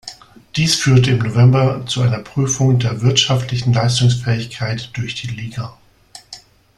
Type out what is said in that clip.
Dies führte im November zu einer Prüfung der wirtschaftlichen Leistungsfähigkeit durch die Liga.